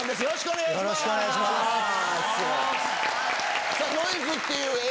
よろしくお願いします。